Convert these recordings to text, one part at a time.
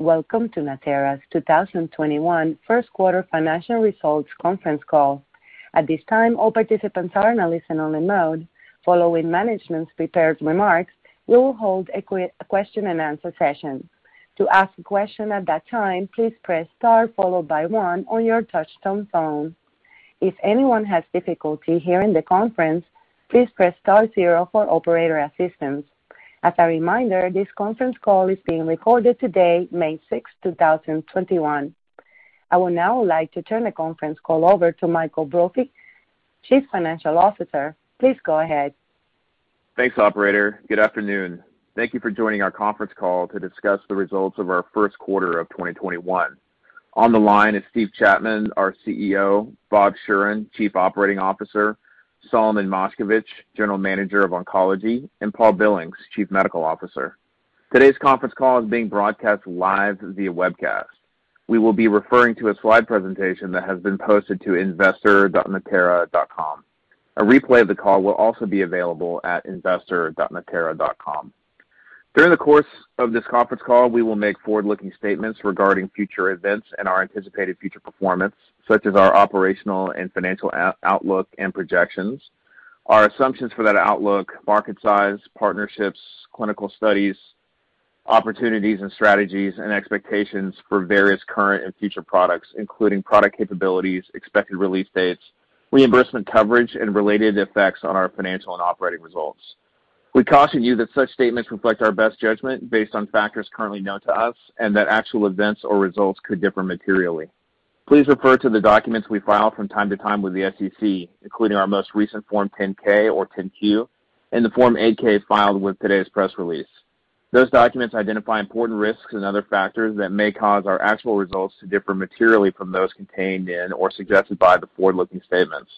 Welcome to Natera's 2021 first-quarter financial results conference call. At this time, all participants are in a listen-only mode. Following management's prepared remarks, we will hold a question-and-answer session. To ask a question at that time, please press star followed by one on your touchtone phone. If anyone has difficulty hearing the conference, please press star zero for operator assistance. As a reminder, this conference call is being recorded today, May 6th, 2021. I would now like to turn the conference call over to Michael Brophy, Chief Financial Officer. Please go ahead. Thanks, operator. Good afternoon. Thank you for joining our conference call to discuss the results of our first quarter of 2021. On the line is Steve Chapman, our CEO, Bob Schueren, Chief Operating Officer, Solomon Moshkevich, General Manager of Oncology, and Paul Billings, Chief Medical Officer. Today's conference call is being broadcast live via webcast. We will be referring to a slide presentation that has been posted to investor.natera.com. A replay of the call will also be available at investor.natera.com. During the course of this conference call, we will make forward-looking statements regarding future events and our anticipated future performance, such as our operational and financial outlook and projections, our assumptions for that outlook, market size, partnerships, clinical studies, opportunities and strategies, and expectations for various current and future products, including product capabilities, expected release dates, reimbursement coverage, and related effects on our financial and operating results. We caution you that such statements reflect our best judgment based on factors currently known to us, and that actual events or results could differ materially. Please refer to the documents we file from time to time with the SEC, including our most recent Form 10-K or 10-Q, and the Form 8-K filed with today's press release. Those documents identify important risks and other factors that may cause our actual results to differ materially from those contained in or suggested by the forward-looking statements.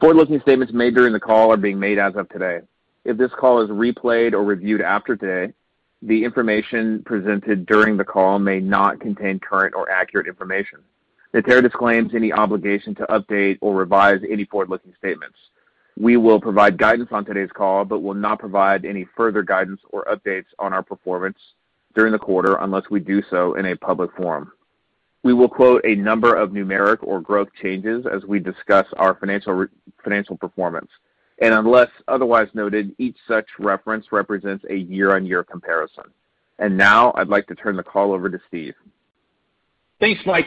Forward-looking statements made during the call are being made as of today. If this call is replayed or reviewed after today, the information presented during the call may not contain current or accurate information. Natera disclaims any obligation to update or revise any forward-looking statements. We will provide guidance on today's call, but will not provide any further guidance or updates on our performance during the quarter unless we do so in a public forum. We will quote a number of numeric or growth changes as we discuss our financial performance, and unless otherwise noted, each such reference represents a year-on-year comparison. Now I'd like to turn the call over to Steve. Thanks, Mike.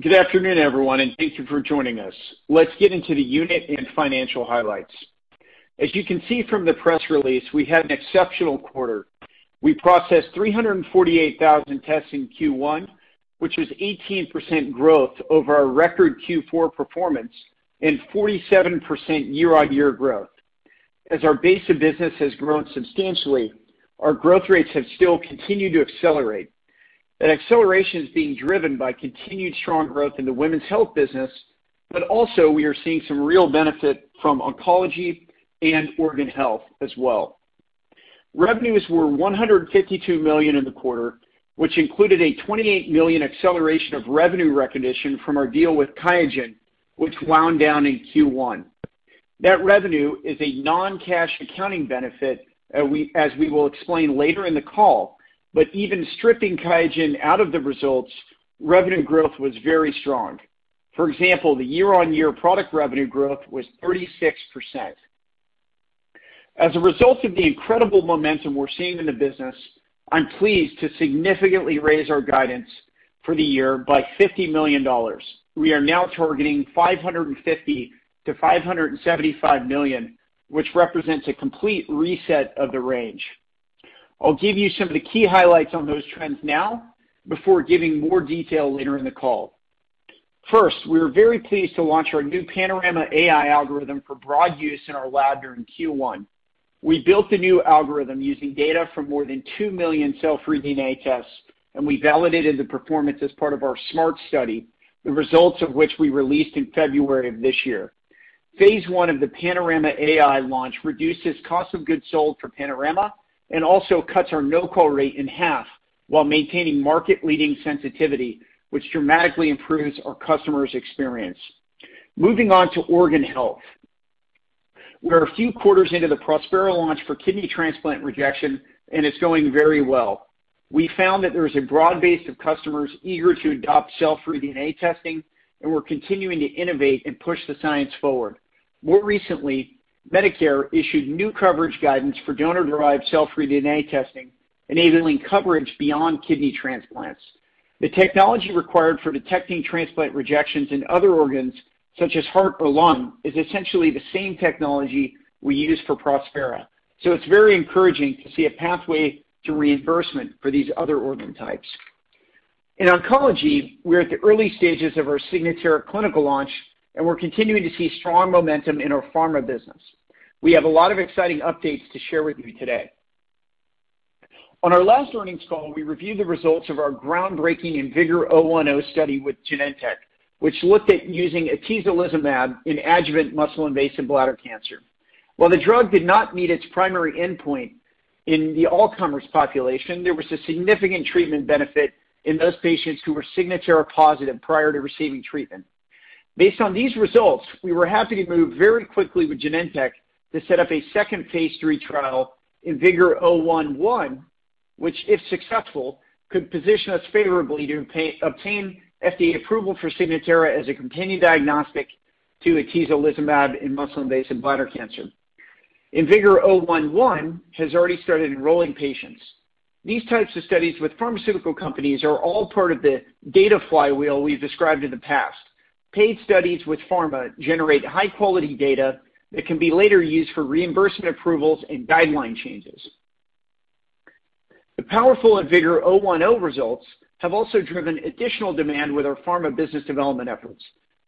Good afternoon, everyone, and thank you for joining us. Let's get into the unit and financial highlights. As you can see from the press release, we had an exceptional quarter. We processed 348,000 tests in Q1, which was 18% growth over our record Q4 performance and 47% year-over-year growth. As our base of business has grown substantially, our growth rates have still continued to accelerate. That acceleration is being driven by continued strong growth in the women's health business, but also we are seeing some real benefit from oncology and organ health as well. Revenues were $152 million in the quarter, which included a $28 million acceleration of revenue recognition from our deal with QIAGEN, which wound down in Q1. That revenue is a non-cash accounting benefit, as we will explain later in the call, but even stripping QIAGEN out of the results, revenue growth was very strong. For example, the year-on-year product revenue growth was 36%. As a result of the incredible momentum we're seeing in the business, I'm pleased to significantly raise our guidance for the year by $50 million. We are now targeting $550 million-$575 million, which represents a complete reset of the range. I'll give you some of the key highlights on those trends now before giving more detail later in the call. First, we were very pleased to launch our new Panorama AI algorithm for broad use in our lab during Q1. We built the new algorithm using data from more than 2 million cell-free DNA tests, and we validated the performance as part of our SMART study, the results of which we released in February of this year. Phase I of the Panorama AI launch reduces cost of goods sold for Panorama and also cuts our no-call rate in half while maintaining market-leading sensitivity, which dramatically improves our customer's experience. Moving on to organ health. We're a few quarters into the Prospera launch for kidney transplant rejection, and it's going very well. We found that there is a broad base of customers eager to adopt cell-free DNA testing, and we're continuing to innovate and push the science forward. More recently, Medicare issued new coverage guidance for donor-derived cell-free DNA testing, enabling coverage beyond kidney transplants. The technology required for detecting transplant rejections in other organs, such as heart or lung, is essentially the same technology we use for Prospera, so it's very encouraging to see a pathway to reimbursement for these other organ types. In oncology, we're at the early stages of our Signatera clinical launch, and we're continuing to see strong momentum in our pharma business. We have a lot of exciting updates to share with you today. On our last earnings call, we reviewed the results of our groundbreaking IMvigor010 study with Genentech, which looked at using atezolizumab in adjuvant muscle-invasive bladder cancer. While the drug did not meet its primary endpoint in the all-comers population, there was a significant treatment benefit in those patients who were Signatera positive prior to receiving treatment. Based on these results, we were happy to move very quickly with Genentech to set up a second phase III trial, IMvigor011, which, if successful, could position us favorably to obtain FDA approval for Signatera as a companion diagnostic to atezolizumab in muscle-invasive bladder cancer. IMvigor011 has already started enrolling patients. These types of studies with pharmaceutical companies are all part of the data flywheel we've described in the past. Paid studies with pharma generate high-quality data that can be later used for reimbursement approvals and guideline changes. The powerful IMvigor010 results have also driven additional demand with our pharma business development efforts.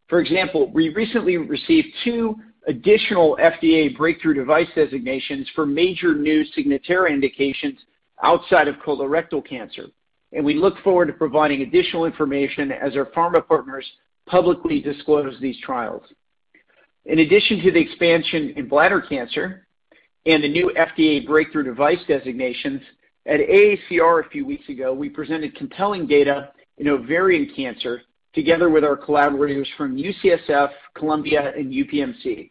For example, we recently received two additional FDA breakthrough device designations for major new Signatera indications outside of colorectal cancer, and we look forward to providing additional information as our pharma partners publicly disclose these trials. In addition to the expansion in bladder cancer and the new FDA breakthrough device designations, at AACR a few weeks ago, we presented compelling data in ovarian cancer together with our collaborators from UCSF, Columbia, and UPMC.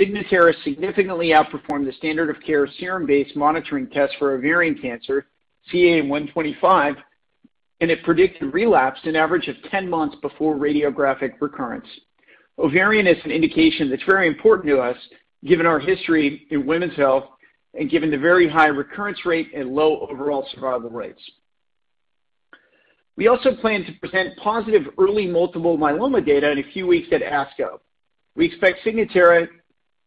Signatera significantly outperformed the standard of care serum-based monitoring test for ovarian cancer, CA125, and it predicted relapse an average of 10 months before radiographic recurrence. Ovarian is an indication that's very important to us, given our history in women's health and given the very high recurrence rate and low overall survival rates. We also plan to present positive early multiple myeloma data in a few weeks at ASCO. We expect Signatera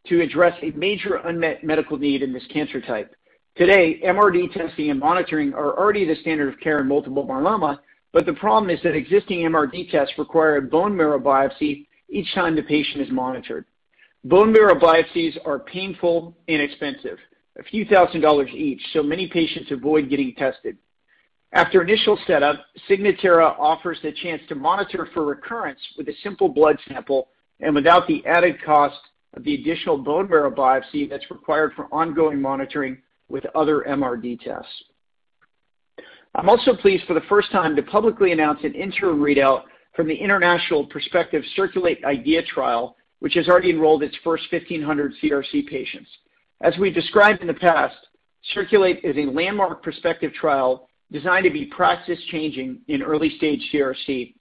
to address a major unmet medical need in this cancer type. Today, MRD testing and monitoring are already the standard of care in multiple myeloma, but the problem is that existing MRD tests require a bone marrow biopsy each time the patient is monitored. Bone marrow biopsies are painful and expensive, a few thousand dollars each, so many patients avoid getting tested. After initial setup, Signatera offers the chance to monitor for recurrence with a simple blood sample and without the added cost of the additional bone marrow biopsy that's required for ongoing monitoring with other MRD tests. I'm also pleased, for the first time, to publicly announce an interim readout from the international perspective CIRCULATE-IDEA trial, which has already enrolled its first 1,500 CRC patients. As we described in the past, CIRCULATE is a landmark prospective trial designed to be practice-changing in early-stage CRC.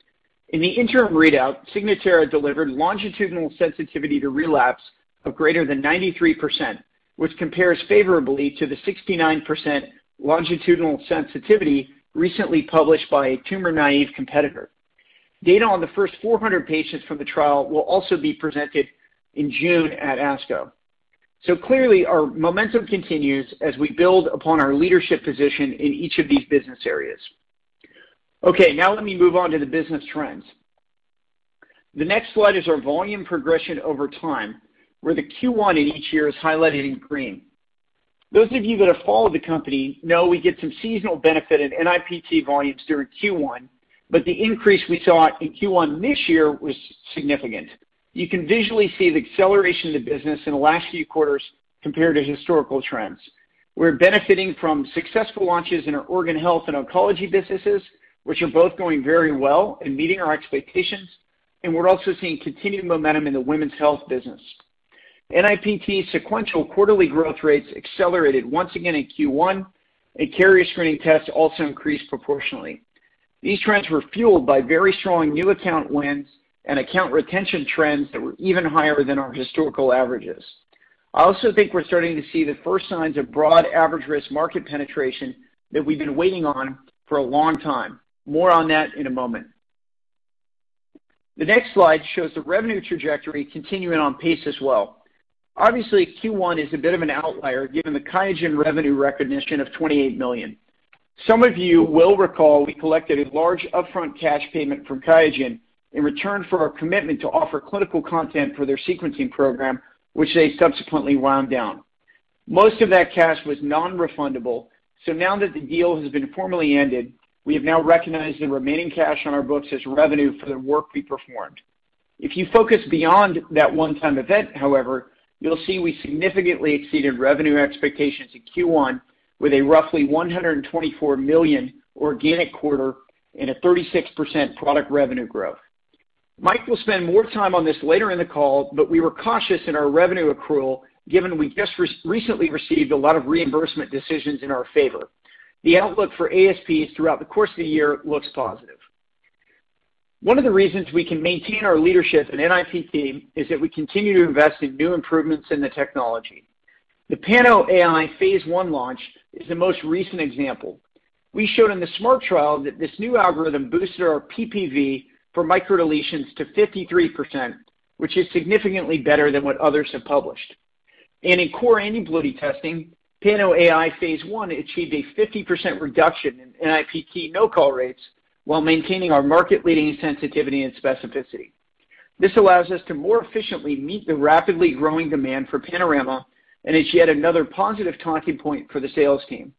In the interim readout, Signatera delivered longitudinal sensitivity to relapse of greater than 93%, which compares favorably to the 69% longitudinal sensitivity recently published by a tumor-naive competitor. Data on the first 400 patients from the trial will also be presented in June at ASCO. Clearly, our momentum continues as we build upon our leadership position in each of these business areas. Okay, let me move on to the business trends. The next slide is our volume progression over time, where the Q1 in each year is highlighted in green. Those of you that have followed the company know we get some seasonal benefit in NIPT volumes during Q1, but the increase we saw in Q1 this year was significant. You can visually see the acceleration of the business in the last few quarters compared to historical trends. We're benefiting from successful launches in our organ health and oncology businesses, which are both going very well and meeting our expectations. We're also seeing continued momentum in the women's health business. NIPT sequential quarterly growth rates accelerated once again in Q1, carrier screening tests also increased proportionally. These trends were fueled by very strong new account wins and account retention trends that were even higher than our historical averages. I also think we're starting to see the first signs of broad average-risk market penetration that we've been waiting on for a long time. More on that in a moment. The next slide shows the revenue trajectory continuing on pace as well. Obviously, Q1 is a bit of an outlier given the QIAGEN revenue recognition of $28 million. Some of you will recall we collected a large upfront cash payment from QIAGEN in return for our commitment to offer clinical content for their sequencing program, which they subsequently wound down. Most of that cash was non-refundable. Now that the deal has been formally ended, we have now recognized the remaining cash on our books as revenue for the work we performed. If you focus beyond that one-time event, however, you'll see we significantly exceeded revenue expectations in Q1 with a roughly $124 million organic quarter and a 36% product revenue growth. Mike will spend more time on this later in the call, but we were cautious in our revenue accrual given we just recently received a lot of reimbursement decisions in our favor. The outlook for ASPs throughout the course of the year looks positive. One of the reasons we can maintain our leadership in NIPT is that we continue to invest in new improvements in the technology. The PanoAI phase I launch is the most recent example. We showed in the SMART trial that this new algorithm boosted our PPV for microdeletions to 53%, which is significantly better than what others have published. In core aneuploidy testing, Panorama AI phase I achieved a 50% reduction in NIPT no-call rates while maintaining our market-leading sensitivity and specificity. This allows us to more efficiently meet the rapidly growing demand for Panorama and is yet another positive talking point for the sales team.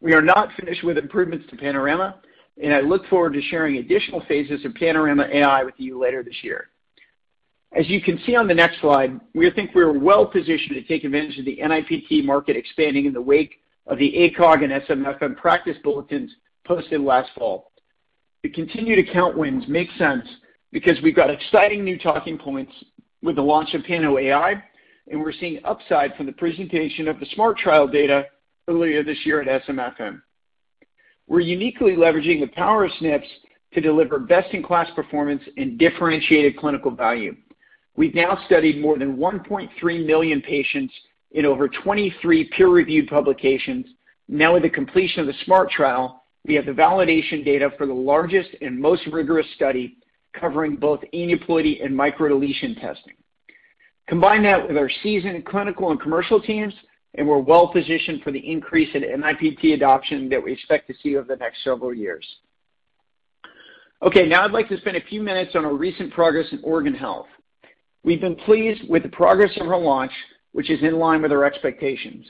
We are not finished with improvements to Panorama, and I look forward to sharing additional phases of Panorama AI with you later this year. As you can see on the next slide, we think we are well-positioned to take advantage of the NIPT market expanding in the wake of the ACOG and SMFM practice bulletins posted last fall. We continue to count wins, makes sense, because we've got exciting new talking points with the launch of Panorama AI, and we're seeing upside from the presentation of the SMART trial data earlier this year at SMFM. We're uniquely leveraging the power of SNPs to deliver best-in-class performance and differentiated clinical value. We've now studied more than 1.3 million patients in over 23 peer-reviewed publications. With the completion of the SMART trial, we have the validation data for the largest and most rigorous study covering both aneuploidy and microdeletion testing. Combine that with our seasoned clinical and commercial teams, and we're well-positioned for the increase in NIPT adoption that we expect to see over the next several years. I'd like to spend a few minutes on our recent progress in organ health. We've been pleased with the progress of our launch, which is in line with our expectations.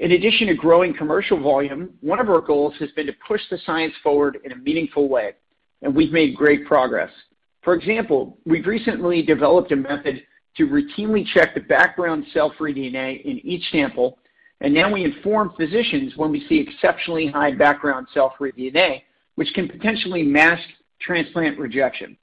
In addition to growing commercial volume, one of our goals has been to push the science forward in a meaningful way, and we've made great progress. For example, we've recently developed a method to routinely check the background cell-free DNA in each sample, and now we inform physicians when we see exceptionally high background cell-free DNA, which can potentially mask transplant rejection.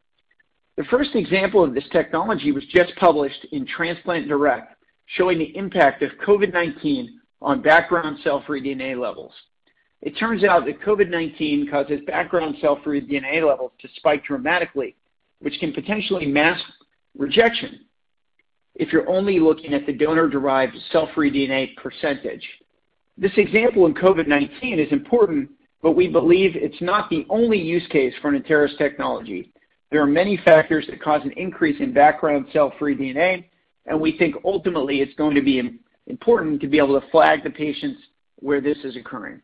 The first example of this technology was just published in Transplantation Direct, showing the impact of COVID-19 on background cell-free DNA levels. It turns out that COVID-19 causes background cell-free DNA levels to spike dramatically, which can potentially mask rejection, if you're only looking at the donor-derived cell-free DNA percentage. This example in COVID-19 is important, but we believe it's not the only use case for Natera's technology. There are many factors that cause an increase in background cell-free DNA, and we think ultimately it's going to be important to be able to flag the patients where this is occurring.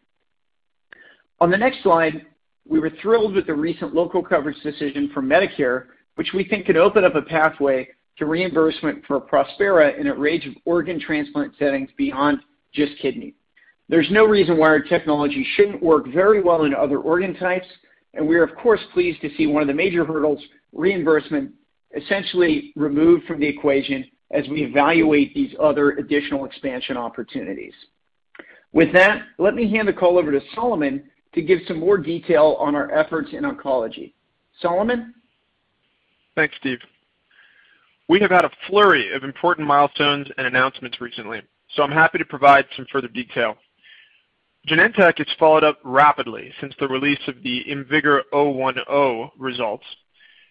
On the next slide, we were thrilled with the recent local coverage decision from Medicare, which we think could open up a pathway to reimbursement for Prospera in a range of organ transplant settings beyond just kidney. There's no reason why our technology shouldn't work very well in other organ types, and we are, of course, pleased to see one of the major hurdles, reimbursement, essentially removed from the equation as we evaluate these other additional expansion opportunities. With that, let me hand the call over to Solomon to give some more detail on our efforts in oncology. Solomon? Thanks, Steve. We have had a flurry of important milestones and announcements recently. I'm happy to provide some further detail. Genentech has followed up rapidly since the release of the IMvigor010 results,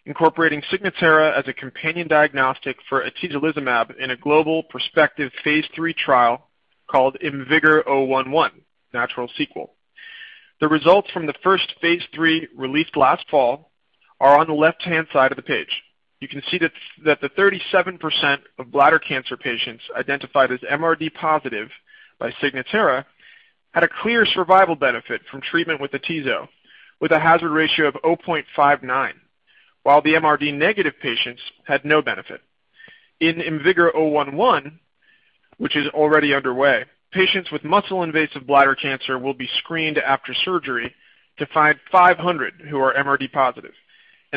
incorporating Signatera as a companion diagnostic for atezolizumab in a global prospective phase III trial called IMvigor011, natural sequel. The results from the first phase III released last fall are on the left-hand side of the page. You can see that the 37% of bladder cancer patients identified as MRD positive by Signatera had a clear survival benefit from treatment with atezo, with a hazard ratio of 0.59, while the MRD negative patients had no benefit. In IMvigor011, which is already underway, patients with muscle-invasive bladder cancer will be screened after surgery to find 500 who are MRD positive.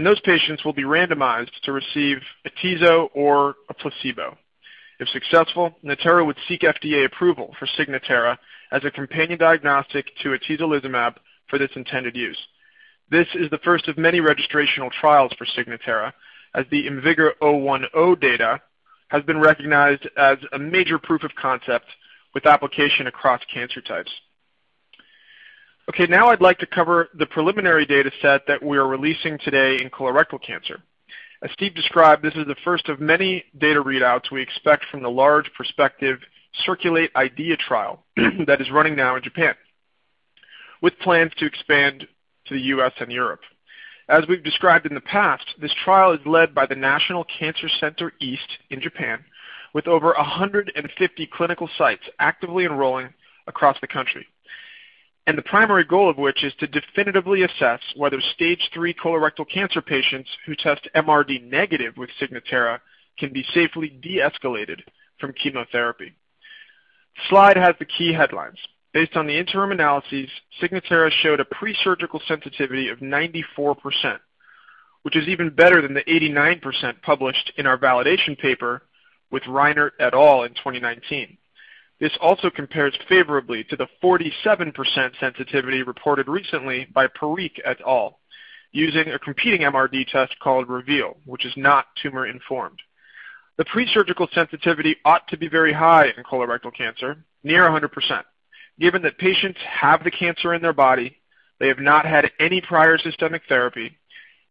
Those patients will be randomized to receive atezo or a placebo. If successful, Natera would seek FDA approval for Signatera as a companion diagnostic to atezolizumab for this intended use. This is the first of many registrational trials for Signatera, as the IMvigor010 data has been recognized as a major proof of concept with application across cancer types. Okay, now I'd like to cover the preliminary data set that we are releasing today in colorectal cancer. As Steve described, this is the first of many data readouts we expect from the large prospective CIRCULATE-IDEA trial that is running now in Japan, with plans to expand to the U.S. and Europe. As we've described in the past, this trial is led by the National Cancer Center Hospital East in Japan, with over 150 clinical sites actively enrolling across the country, the primary goal of which is to definitively assess whether Stage 3 colorectal cancer patients who test MRD negative with Signatera can be safely deescalated from chemotherapy. Slide has the key headlines. Based on the interim analyses, Signatera showed a pre-surgical sensitivity of 94%, which is even better than the 89% published in our validation paper with Reinert et al. in 2019. This also compares favorably to the 47% sensitivity reported recently by Parikh et al., using a competing MRD test called Guardant Reveal, which is not tumor-informed. The pre-surgical sensitivity ought to be very high in colorectal cancer, near 100%, given that patients have the cancer in their body, they have not had any prior systemic therapy,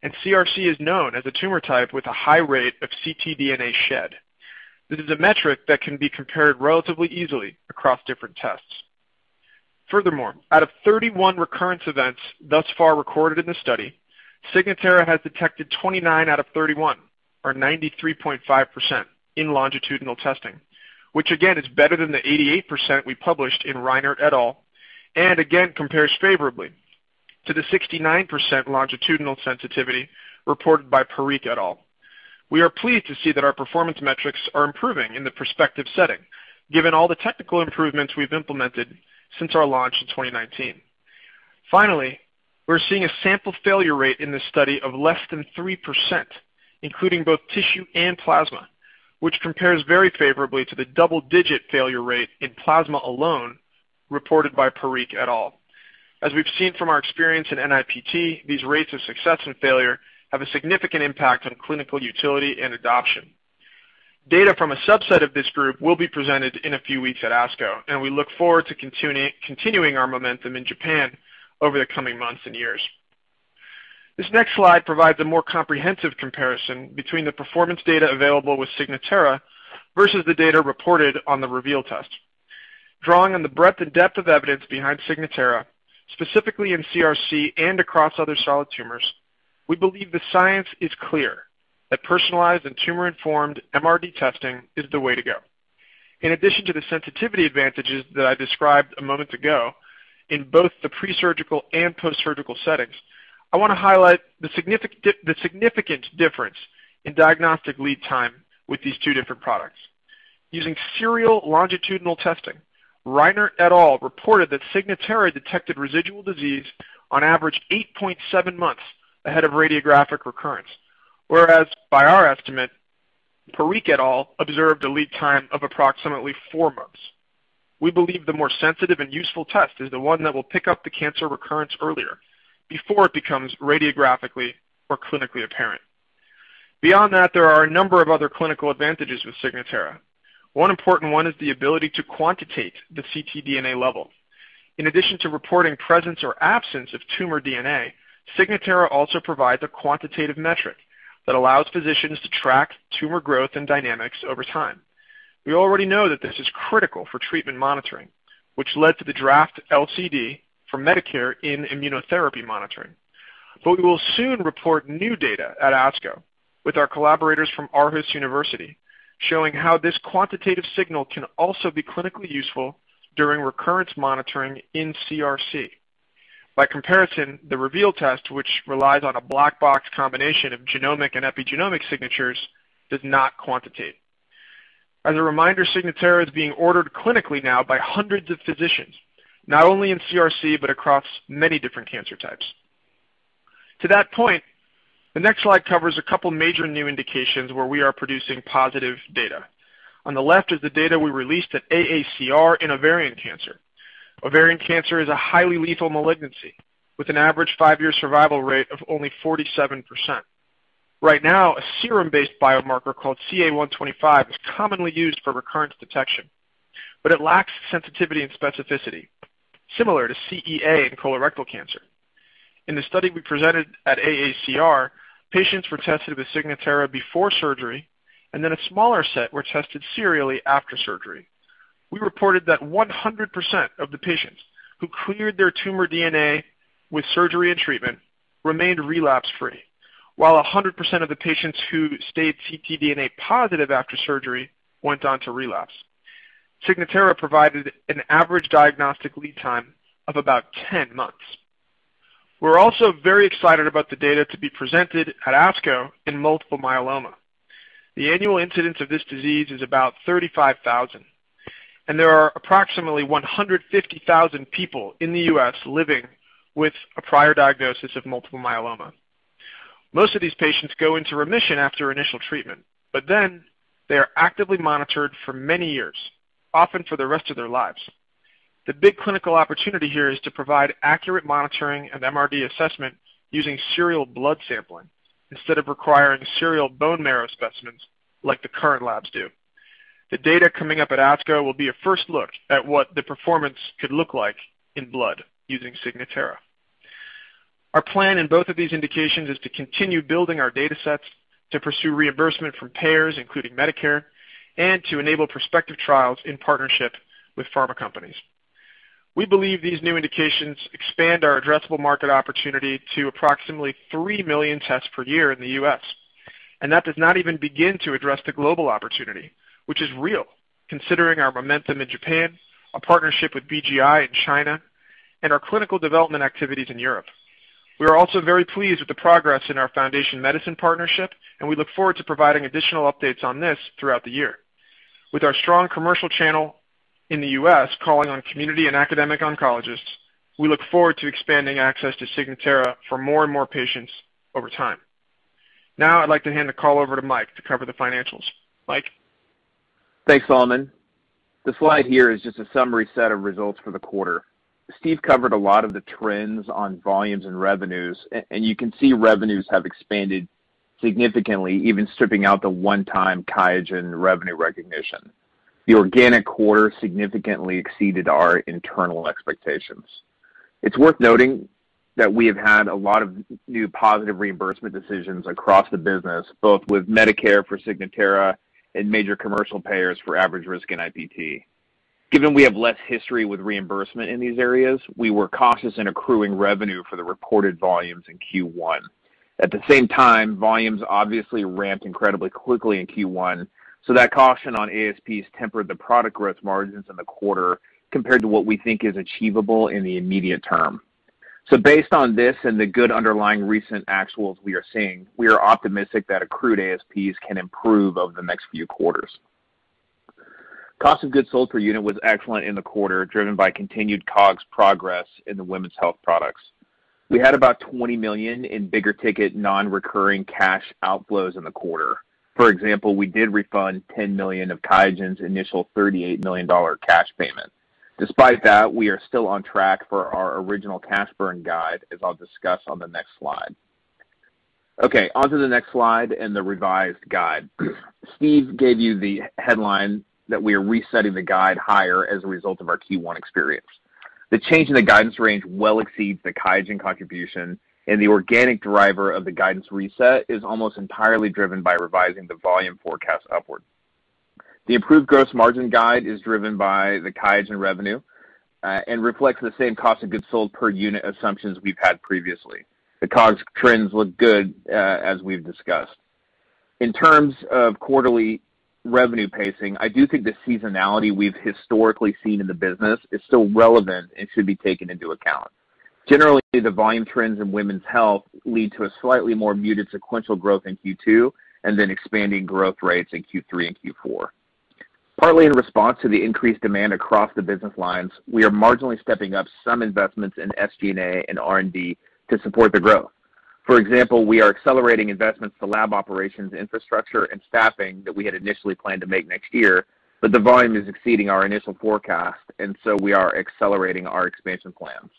and CRC is known as a tumor type with a high rate of ctDNA shed. This is a metric that can be compared relatively easily across different tests. Furthermore, out of 31 recurrence events thus far recorded in the study, Signatera has detected 29 out of 31, or 93.5% in longitudinal testing, which again is better than the 88% we published in Reinert et al., and again compares favorably to the 69% longitudinal sensitivity reported by Parikh et al. We are pleased to see that our performance metrics are improving in the prospective setting, given all the technical improvements we've implemented since our launch in 2019. Finally, we're seeing a sample failure rate in this study of less than 3%, including both tissue and plasma, which compares very favorably to the double-digit failure rate in plasma alone reported by Parikh et al. As we've seen from our experience in NIPT, these rates of success and failure have a significant impact on clinical utility and adoption. Data from a subset of this group will be presented in a few weeks at ASCO. We look forward to continuing our momentum in Japan over the coming months and years. This next slide provides a more comprehensive comparison between the performance data available with Signatera versus the data reported on the Reveal test. Drawing on the breadth and depth of evidence behind Signatera, specifically in CRC and across other solid tumors, we believe the science is clear that personalized and tumor-informed MRD testing is the way to go. In addition to the sensitivity advantages that I described a moment ago in both the pre-surgical and post-surgical settings, I want to highlight the significant difference in diagnostic lead time with these two different products. Using serial longitudinal testing, Reinert et al. reported that Signatera detected residual disease on average 8.7 months ahead of radiographic recurrence, whereas by our estimate, Parikh et al. observed a lead time of approximately four months. We believe the more sensitive and useful test is the one that will pick up the cancer recurrence earlier, before it becomes radiographically or clinically apparent. Beyond that, there are a number of other clinical advantages with Signatera. One important one is the ability to quantitate the ctDNA level. In addition to reporting presence or absence of tumor DNA, Signatera also provides a quantitative metric that allows physicians to track tumor growth and dynamics over time. We already know that this is critical for treatment monitoring, which led to the draft LCD for Medicare in immunotherapy monitoring. We will soon report new data at ASCO with our collaborators from Aarhus University, showing how this quantitative signal can also be clinically useful during recurrence monitoring in CRC. By comparison, the Reveal test, which relies on a black box combination of genomic and epigenomic signatures, does not quantitate. As a reminder, Signatera is being ordered clinically now by hundreds of physicians, not only in CRC, but across many different cancer types. To that point, the next slide covers a couple major new indications where we are producing positive data. On the left is the data we released at AACR in ovarian cancer. Ovarian cancer is a highly lethal malignancy, with an average five-year survival rate of only 47%. Right now, a serum-based biomarker called CA-125 is commonly used for recurrence detection, but it lacks sensitivity and specificity, similar to CEA in colorectal cancer. In the study we presented at AACR, patients were tested with Signatera before surgery, a smaller set were tested serially after surgery. We reported that 100% of the patients who cleared their tumor DNA with surgery and treatment remained relapse-free. 100% of the patients who stayed ctDNA positive after surgery went on to relapse. Signatera provided an average diagnostic lead time of about 10 months. We're also very excited about the data to be presented at ASCO in multiple myeloma. The annual incidence of this disease is about 35,000, and there are approximately 150,000 people in the U.S. living with a prior diagnosis of multiple myeloma. Most of these patients go into remission after initial treatment, but then they are actively monitored for many years, often for the rest of their lives. The big clinical opportunity here is to provide accurate monitoring and MRD assessment using serial blood sampling, instead of requiring serial bone marrow specimens like the current labs do. The data coming up at ASCO will be a first look at what the performance could look like in blood using Signatera. Our plan in both of these indications is to continue building our data sets, to pursue reimbursement from payers, including Medicare, and to enable prospective trials in partnership with pharma companies. We believe these new indications expand our addressable market opportunity to approximately 3 million tests per year in the U.S., and that does not even begin to address the global opportunity, which is real, considering our momentum in Japan, our partnership with BGI in China, and our clinical development activities in Europe. We are also very pleased with the progress in our Foundation Medicine partnership, and we look forward to providing additional updates on this throughout the year. With our strong commercial channel in the U.S. calling on community and academic oncologists, we look forward to expanding access to Signatera for more and more patients over time. Now I'd like to hand the call over to Mike to cover the financials. Mike? Thanks, Solomon. The slide here is just a summary set of results for the quarter. Steve covered a lot of the trends on volumes and revenues, and you can see revenues have expanded significantly, even stripping out the one-time QIAGEN revenue recognition. The organic quarter significantly exceeded our internal expectations. It's worth noting that we have had a lot of new positive reimbursement decisions across the business, both with Medicare for Signatera and major commercial payers for average-risk NIPT. Given we have less history with reimbursement in these areas, we were cautious in accruing revenue for the reported volumes in Q1. At the same time, volumes obviously ramped incredibly quickly in Q1, so that caution on ASPs tempered the product growth margins in the quarter, compared to what we think is achievable in the immediate term. Based on this and the good underlying recent actuals we are seeing, we are optimistic that accrued ASPs can improve over the next few quarters. Cost of goods sold per unit was excellent in the quarter, driven by continued COGS progress in the women's health products. We had about $20 million in bigger ticket non-recurring cash outflows in the quarter. For example, we did refund $10 million of QIAGEN's initial $38 million cash payment. Despite that, we are still on track for our original cash burn guide, as I'll discuss on the next slide. Onto the next slide and the revised guide. Steve gave you the headline that we are resetting the guide higher as a result of our Q1 experience. The change in the guidance range well exceeds the QIAGEN contribution, and the organic driver of the guidance reset is almost entirely driven by revising the volume forecast upward. The improved gross margin guide is driven by the QIAGEN revenue, and reflects the same cost of goods sold per unit assumptions we've had previously. The COGS trends look good, as we've discussed. In terms of quarterly revenue pacing, I do think the seasonality we've historically seen in the business is still relevant and should be taken into account. Generally, the volume trends in women's health lead to a slightly more muted sequential growth in Q2, and then expanding growth rates in Q3 and Q4. Partly in response to the increased demand across the business lines, we are marginally stepping up some investments in SG&A and R&D to support the growth. For example, we are accelerating investments to lab operations infrastructure and staffing that we had initially planned to make next year, but the volume is exceeding our initial forecast, and so we are accelerating our expansion plans.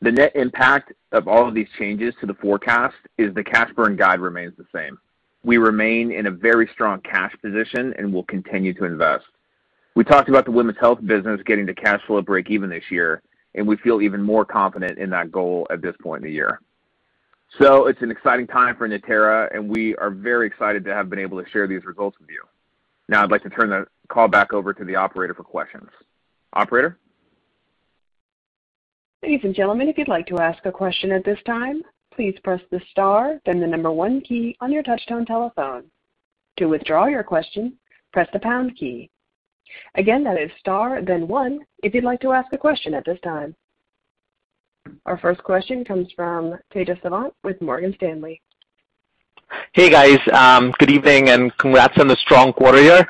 The net impact of all of these changes to the forecast is the cash burn guide remains the same. We remain in a very strong cash position and will continue to invest. We talked about the women's health business getting to cash flow breakeven this year, and we feel even more confident in that goal at this point in the year. It's an exciting time for Natera, and we are very excited to have been able to share these results with you. Now I'd like to turn the call back over to the operator for questions. Operator? Ladies and gentlemen, if you would like to ask a question at this time, please press the star then the number one key on your touchtone telephone. To withdraw your question, press the pound key. Again, that is star then one if you would like to ask a question at this time. Our first question comes from Tejas Savant with Morgan Stanley. Hey, guys. Good evening. Congrats on the strong quarter here.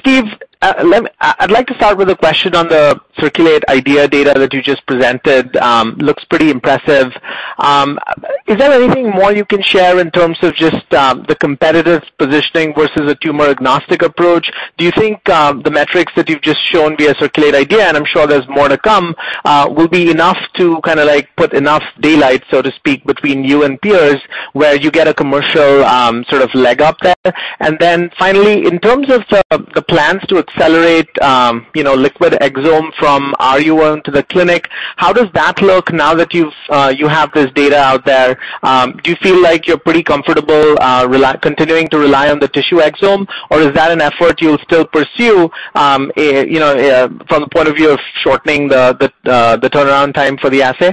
Steve, I'd like to start with a question on the CIRCULATE-IDEA data that you just presented. Looks pretty impressive. Is there anything more you can share in terms of just the competitive positioning versus a tumor-agnostic approach? Do you think the metrics that you've just shown via CIRCULATE-IDEA, and I'm sure there's more to come, will be enough to put enough daylight, so to speak, between you and peers where you get a commercial leg up there? Finally, in terms of the plans to accelerate liquid exome from RUO into the clinic, how does that look now that you have this data out there? Do you feel like you're pretty comfortable continuing to rely on the tissue exome, or is that an effort you'll still pursue from the point of view of shortening the turnaround time for the assay?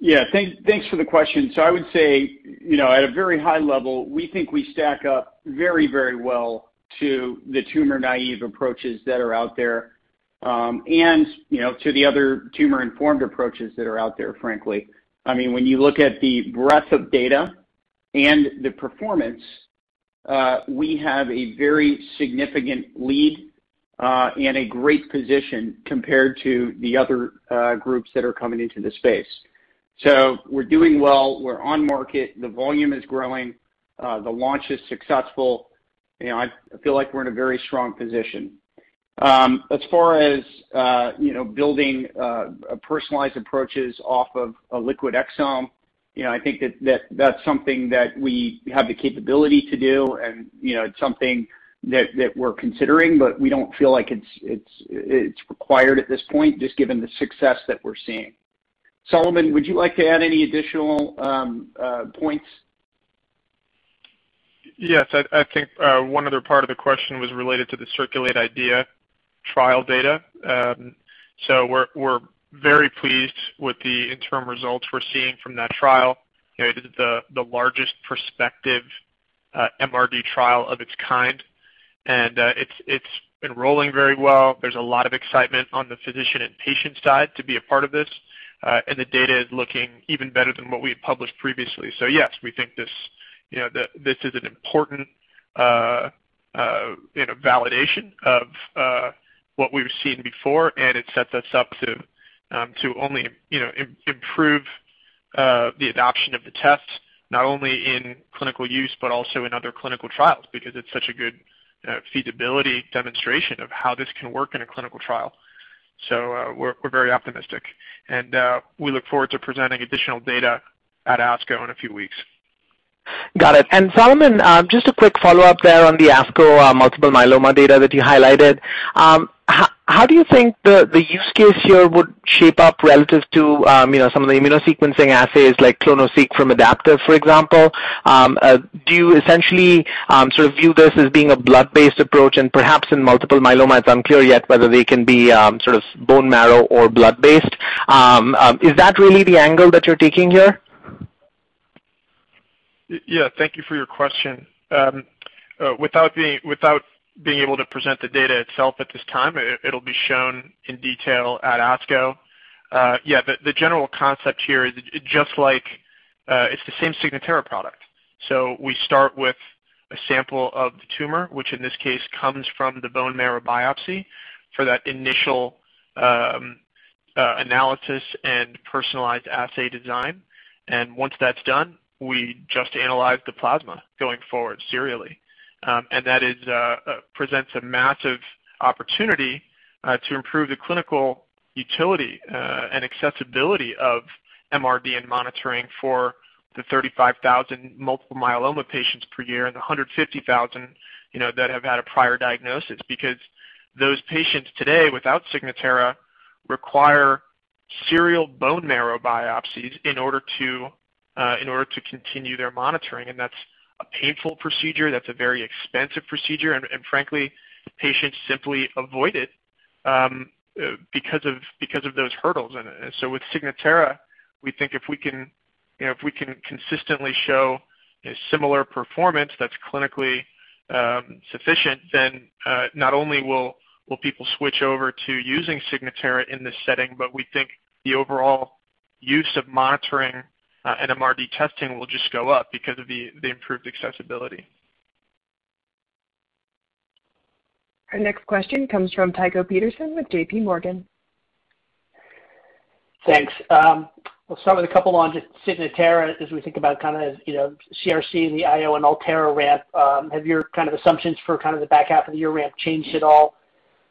Yeah. Thanks for the question. I would say, at a very high level, we think we stack up very well to the tumor-naive approaches that are out there, and to the other tumor-informed approaches that are out there, frankly. When you look at the breadth of data and the performance, we have a very significant lead and a great position compared to the other groups that are coming into the space. We're doing well. We're on market. The volume is growing. The launch is successful. I feel like we're in a very strong position. As far as building personalized approaches off of a liquid exome, I think that's something that we have the capability to do, and it's something that we're considering, but we don't feel like it's required at this point, just given the success that we're seeing. Solomon, would you like to add any additional points? Yes. I think one other part of the question was related to the CIRCULATE-IDEA trial data. We're very pleased with the interim results we're seeing from that trial. The largest prospective MRD trial of its kind, and it's enrolling very well. There's a lot of excitement on the physician and patient side to be a part of this, and the data is looking even better than what we had published previously. Yes, we think this is an important validation of what we've seen before and it sets us up to only improve the adoption of the test, not only in clinical use, but also in other clinical trials, because it's such a good feasibility demonstration of how this can work in a clinical trial. We're very optimistic, and we look forward to presenting additional data at ASCO in a few weeks. Got it. Solomon, just a quick follow-up there on the ASCO multiple myeloma data that you highlighted. How do you think the use case here would shape up relative to some of the immunosequencing assays like clonoSEQ from Adaptive, for example? Do you essentially view this as being a blood-based approach and perhaps in multiple myelomas, unclear yet whether they can be bone marrow or blood-based? Is that really the angle that you're taking here? Thank you for your question. Without being able to present the data itself at this time, it'll be shown in detail at ASCO. The general concept here is just like it's the same Signatera product. We start with a sample of the tumor, which in this case comes from the bone marrow biopsy for that initial analysis and personalized assay design. Once that's done, we just analyze the plasma going forward serially. That presents a massive opportunity to improve the clinical utility and accessibility of MRD and monitoring for the 35,000 multiple myeloma patients per year and the 150,000 that have had a prior diagnosis because those patients today without Signatera require serial bone marrow biopsies in order to continue their monitoring, and that's a painful procedure, that's a very expensive procedure, and frankly, patients simply avoid it because of those hurdles. With Signatera, we think if we can consistently show a similar performance that's clinically sufficient, then not only will people switch over to using Signatera in this setting, but we think the overall use of monitoring and MRD testing will just go up because of the improved accessibility. Our next question comes from Tycho Peterson with JPMorgan. Thanks. We'll start with a couple on just Signatera as we think about kind of CRC and the IO and Altera ramp. Have your kind of assumptions for the back half of the year ramp changed at all?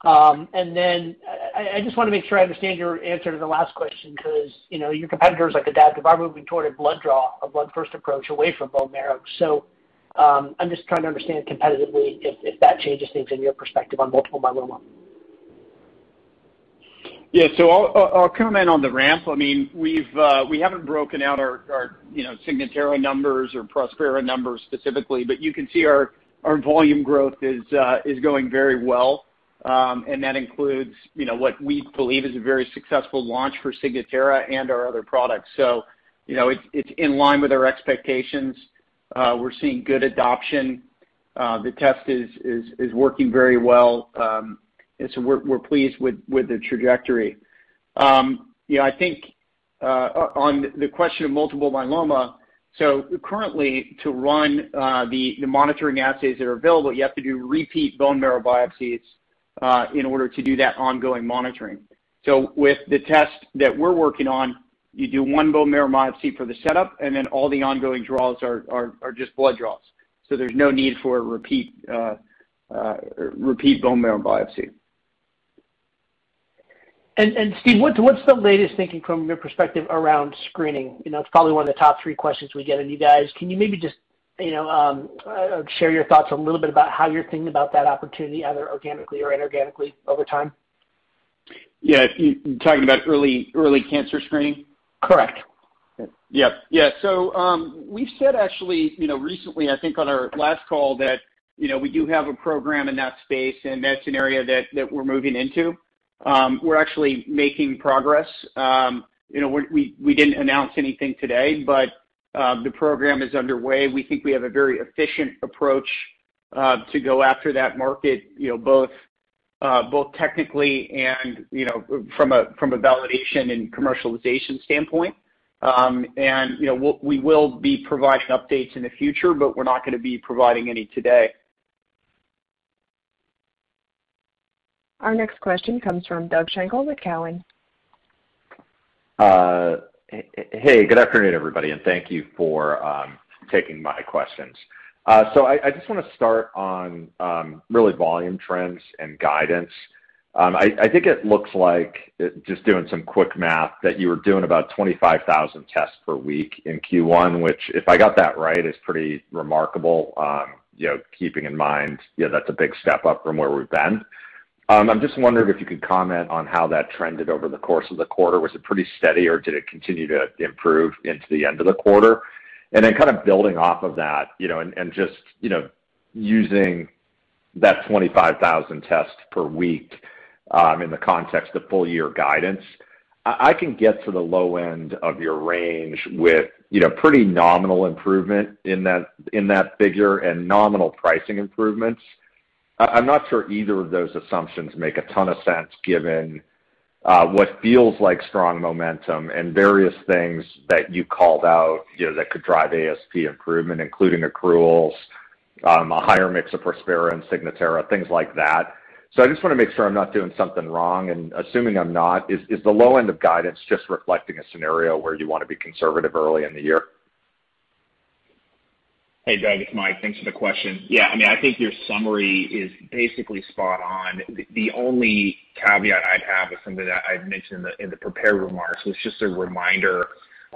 I just want to make sure I understand your answer to the last question because your competitors like Adaptive are moving toward a blood draw, a blood-first approach away from bone marrow. I'm just trying to understand competitively if that changes things in your perspective on multiple myeloma. Yeah. I'll comment on the ramp. We haven't broken out our Signatera numbers or Prospera numbers specifically, but you can see our volume growth is going very well, and that includes what we believe is a very successful launch for Signatera and our other products. It's in line with our expectations. We're seeing good adoption. The test is working very well. We're pleased with the trajectory. I think on the question of multiple myeloma, so currently to run the monitoring assays that are available, you have to do repeat bone marrow biopsies in order to do that ongoing monitoring. With the test that we're working on, you do one bone marrow biopsy for the setup, and then all the ongoing draws are just blood draws, so there's no need for a repeat bone marrow biopsy. Steve, what's the latest thinking from your perspective around screening? It's probably one of the top three questions we get on you guys. Can you maybe just share your thoughts a little bit about how you're thinking about that opportunity, either organically or inorganically over time? Yeah. You're talking about early cancer screening? Correct. Yep. We've said actually recently, I think on our last call that we do have a program in that space, and that's an area that we're moving into. We're actually making progress. We didn't announce anything today, but the program is underway. We think we have a very efficient approach to go after that market both technically and from a validation and commercialization standpoint. We will be providing updates in the future, but we're not going to be providing any today. Our next question comes from Doug Schenkel with Cowen. Good afternoon, everybody, and thank you for taking my questions. I just want to start on really volume trends and guidance. I think it looks like just doing some quick math that you were doing about 25,000 tests per week in Q1, which, if I got that right, is pretty remarkable, keeping in mind that's a big step up from where we've been. I'm just wondering if you could comment on how that trended over the course of the quarter. Was it pretty steady or did it continue to improve into the end of the quarter? Kind of building off of that, and just using that 25,000 tests per week in the context of full year guidance, I can get to the low end of your range with pretty nominal improvement in that figure and nominal pricing improvements. I'm not sure either of those assumptions make a ton of sense given what feels like strong momentum and various things that you called out that could drive ASP improvement, including accruals, a higher mix of Prospera and Signatera, things like that. I just want to make sure I'm not doing something wrong and assuming I'm not, is the low end of guidance just reflecting a scenario where you want to be conservative early in the year? Hey, Doug, it's Mike. Thanks for the question. Yeah, I think your summary is basically spot on. The only caveat I'd have is something that I'd mentioned in the prepared remarks was just a reminder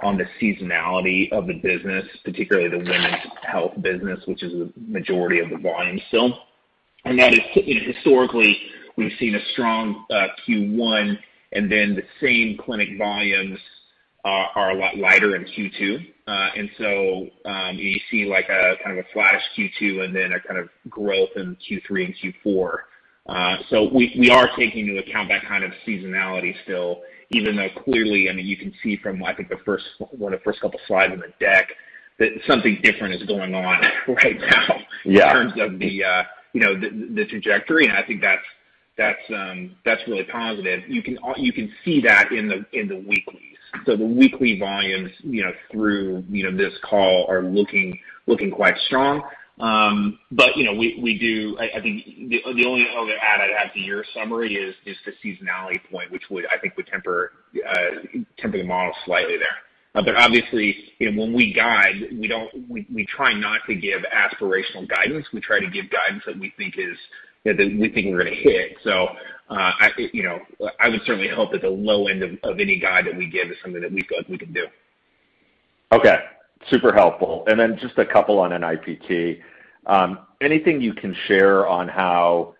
on the seasonality of the business, particularly the women's health business, which is the majority of the volume still. That is historically we've seen a strong Q1 and then the same clinic volumes are a lot lighter in Q2. You see a kind of a flash Q2 and then a kind of growth in Q3 and Q4. We are taking into account that kind of seasonality still, even though clearly, you can see from I think one of the first couple slides in the deck. That something different is going on right now- Yeah. -in terms of the trajectory. I think that's really positive. You can see that in the weeklies. The weekly volumes through this call are looking quite strong. I think the only other add I'd add to your summary is just a seasonality point, which I think would temper the model slightly there. Obviously, when we guide, we try not to give aspirational guidance. We try to give guidance that we think we're going to hit. I would certainly hope that the low end of any guide that we give is something that we feel like we can do. Okay. Super helpful. Just a couple on NIPT. Anything you can share on how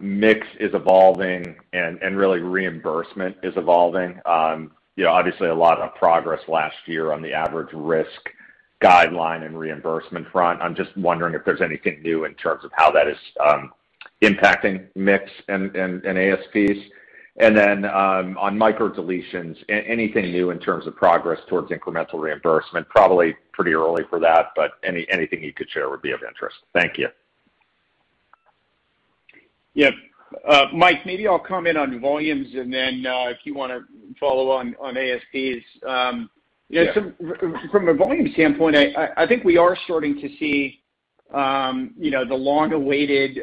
mix is evolving and really reimbursement is evolving? Obviously a lot of progress last year on the average risk guideline and reimbursement front. I'm just wondering if there's anything new in terms of how that is impacting mix and ASPs. On micro deletions, anything new in terms of progress towards incremental reimbursement? Probably pretty early for that, but anything you could share would be of interest. Thank you. Yeah. Mike, maybe I'll comment on volumes and then if you want to follow on ASPs. Yeah. From a volume standpoint, I think we are starting to see the long-awaited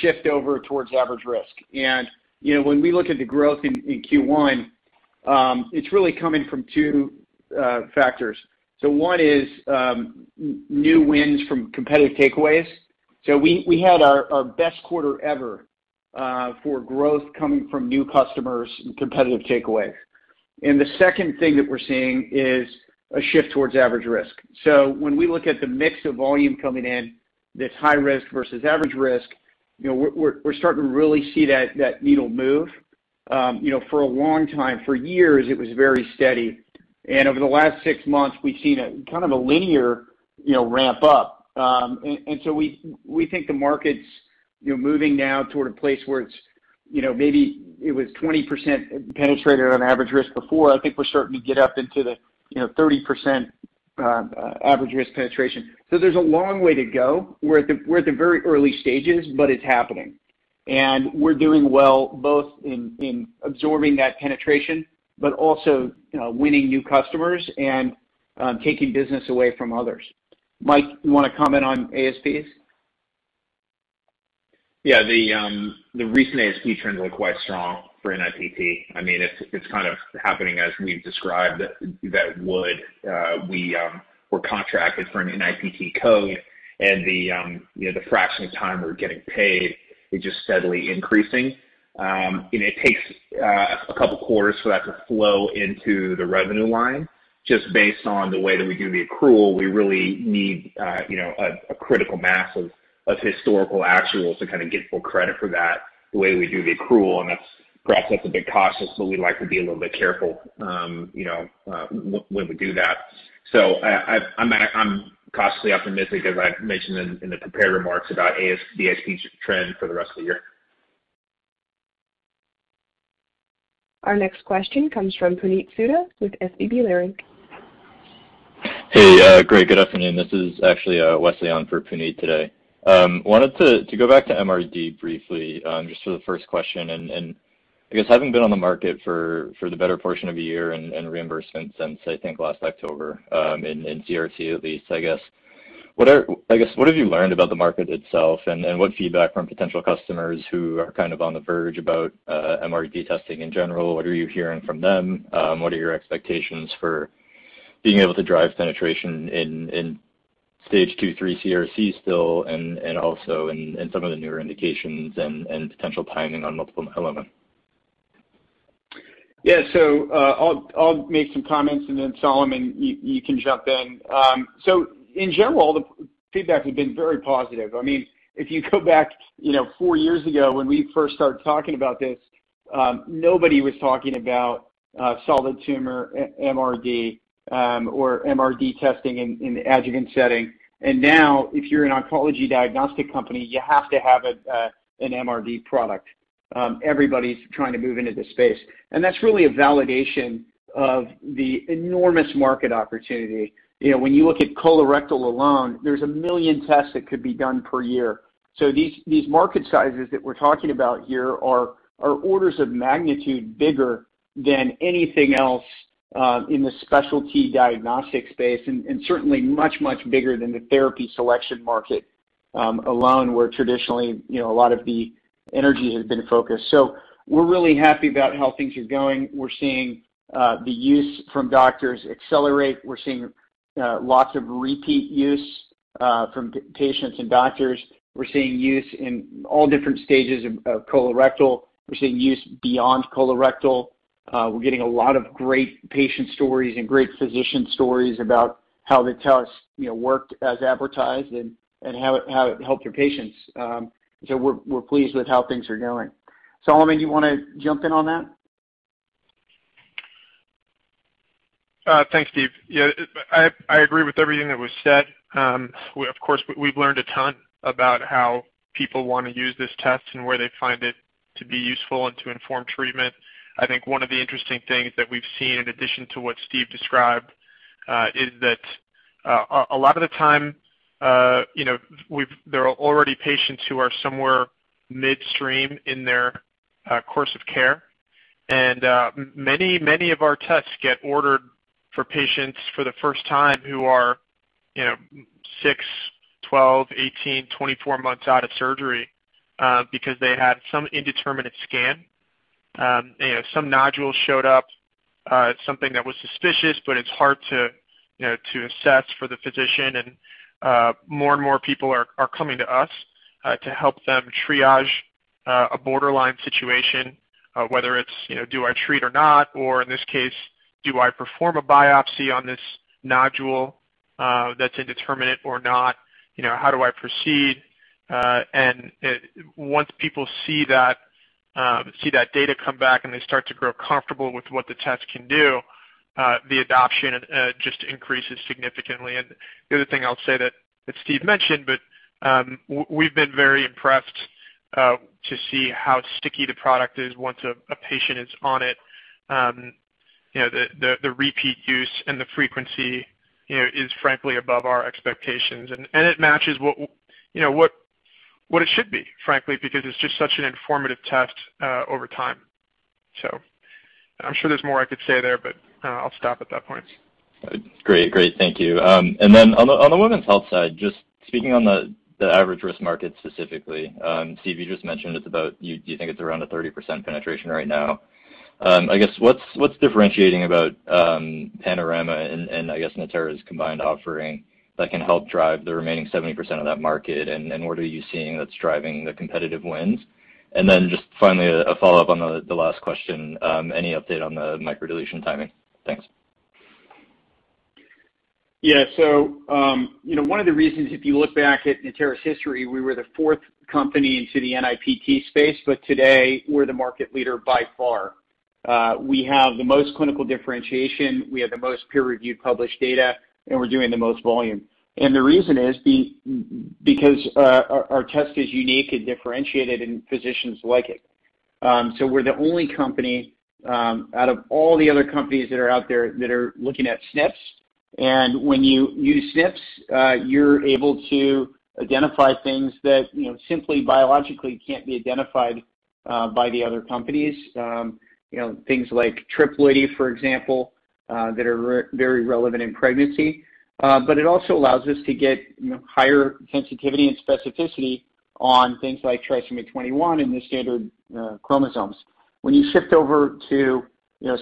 shift over towards average risk. When we look at the growth in Q1, it's really coming from two factors. One is new wins from competitive takeaways. We had our best quarter ever for growth coming from new customers and competitive takeaways. The second thing that we're seeing is a shift towards average risk. When we look at the mix of volume coming in that's high risk versus average risk, we're starting to really see that needle move. For a long time, for years, it was very steady. Over the last six months, we've seen a linear ramp up. We think the market's moving now toward a place where it's maybe it was 20% penetrated on average risk before. I think we're starting to get up into the 30% average risk penetration. There's a long way to go. We're at the very early stages, but it's happening. We're doing well, both in absorbing that penetration, but also winning new customers and taking business away from others. Mike, you want to comment on ASPs? Yeah. The recent ASP trends look quite strong for NIPT. It's happening as we've described. We were contracted for an NIPT code and the fraction of time we're getting paid is just steadily increasing. It takes a couple quarters for that to flow into the revenue line, just based on the way that we do the accrual. We really need a critical mass of historical actuals to get full credit for that, the way we do the accrual, and perhaps that's a bit cautious, so we like to be a little bit careful when we do that. I'm cautiously optimistic, as I mentioned in the prepared remarks, about the ASP trend for the rest of the year. Our next question comes from Puneet Souda with SVB Leerink. Hey, great. Good afternoon. This is actually Westley on for Puneet Souda today. Wanted to go back to MRD briefly, just for the first question. I guess, having been on the market for the better portion of a year and reimbursement since, I think, last October, in CRC at least, I guess. What have you learned about the market itself, and what feedback from potential customers who are on the verge about MRD testing in general? What are you hearing from them? What are your expectations for being able to drive penetration in Stage 2/3 CRC still and also in some of the newer indications and potential timing on multiple myeloma? Yeah. I'll make some comments and then Solomon Moshkevich, you can jump in. In general, the feedback has been very positive. If you go back four years ago when we first started talking about this, nobody was talking about solid tumor MRD, or MRD testing in the adjuvant setting. Now, if you're an oncology diagnostic company, you have to have an MRD product. Everybody's trying to move into the space. That's really a validation of the enormous market opportunity. When you look at colorectal alone, there's a million tests that could be done per year. These market sizes that we're talking about here are orders of magnitude bigger than anything else in the specialty diagnostic space, and certainly much, much bigger than the therapy selection market alone, where traditionally, a lot of the energy has been focused. We're really happy about how things are going. We're seeing the use from doctors accelerate. We're seeing lots of repeat use from patients and doctors. We're seeing use in all different stages of colorectal. We're seeing use beyond colorectal. We're getting a lot of great patient stories and great physician stories about how the test worked as advertised and how it helped their patients. We're pleased with how things are going. Solomon, do you want to jump in on that? Thanks, Steve. Yeah, I agree with everything that was said. Of course, we've learned a ton about how people want to use this test and where they find it to be useful and to inform treatment. I think one of the interesting things that we've seen in addition to what Steve described, is that a lot of the time, there are already patients who are somewhere midstream in their course of care. Many of our tests get ordered for patients for the first time who are six, 12, 18, 24 months out of surgery because they had some indeterminate scan. Some nodules showed up, something that was suspicious, but it's hard to assess for the physician. More and more people are coming to us to help them triage a borderline situation, whether it's do I treat or not, or in this case, do I perform a biopsy on this nodule that's indeterminate or not? How do I proceed? Once people see that data come back and they start to grow comfortable with what the test can do, the adoption just increases significantly. The other thing I'll say that Steve mentioned, but we've been very impressed to see how sticky the product is once a patient is on it. The repeat use and the frequency is frankly above our expectations. It matches what it should be, frankly, because it's just such an informative test over time. I'm sure there's more I could say there, but I'll stop at that point. Great. Thank you. On the women's health side, just speaking on the average risk market specifically, Steve, you just mentioned you think it's around a 30% penetration right now. What's differentiating about Panorama and Natera's combined offering that can help drive the remaining 70% of that market, what are you seeing that's driving the competitive wins? Just finally, a follow-up on the last question. Any update on the microdeletion timing? Thanks. Yeah. One of the reasons, if you look back at Natera's history, we were the fourth company into the NIPT space, but today we're the market leader by far. We have the most clinical differentiation, we have the most peer-reviewed published data, and we're doing the most volume. The reason is because our test is unique and differentiated, and physicians like it. We're the only company out of all the other companies that are out there that are looking at SNPs. When you use SNPs, you're able to identify things that simply biologically can't be identified by the other companies. Things like triploidy, for example, that are very relevant in pregnancy. It also allows us to get higher sensitivity and specificity on things like trisomy 21 and the standard chromosomes. When you shift over to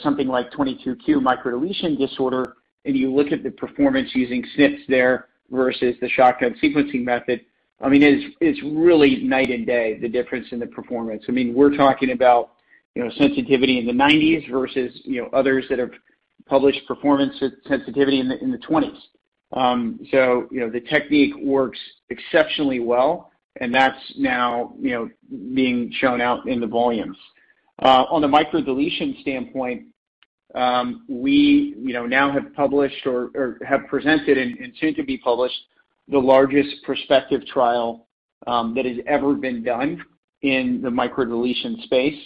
something like 22q microdeletion disorder, and you look at the performance using SNPs there versus the shotgun sequencing method, it's really night and day, the difference in the performance. We're talking about sensitivity in the 90s versus others that have published performance sensitivity in the 20s. The technique works exceptionally well, and that's now being shown out in the volumes. On the microdeletion standpoint, we now have published or have presented and soon to be published, the largest prospective trial that has ever been done in the microdeletion space.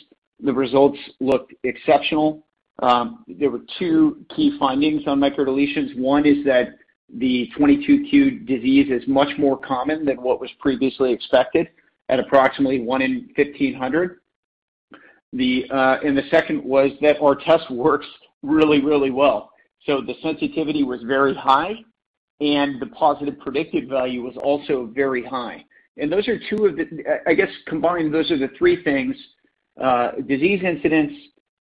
The results look exceptional. There were two key findings on microdeletions. One is that the 22q disease is much more common than what was previously expected at approximately one in 1,500. The second was that our test works really, really well. The sensitivity was very high, and the positive predictive value was also very high. Those are two of the, I guess, combined, those are the three things, disease incidence,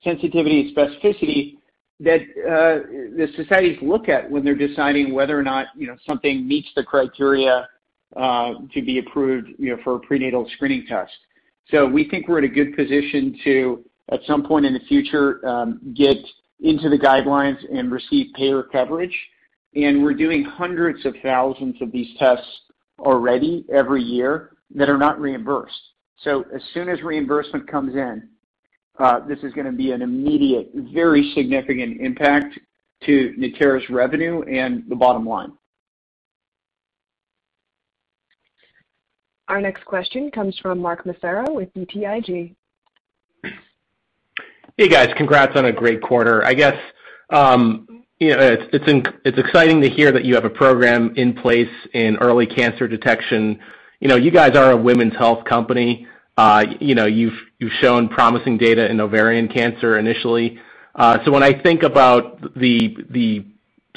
sensitivity, and specificity that the societies look at when they're deciding whether or not something meets the criteria to be approved for a prenatal screening test. We think we're in a good position to, at some point in the future, get into the guidelines and receive payer coverage. We're doing hundreds of thousands of these tests already every year that are not reimbursed. As soon as reimbursement comes in, this is going to be an immediate, very significant impact to Natera's revenue and the bottom line. Our next question comes from Mark Massaro with BTIG. Hey, guys. Congrats on a great quarter. I guess it's exciting to hear that you have a program in place in early cancer detection. You guys are a women's health company. You've shown promising data in ovarian cancer initially. When I think about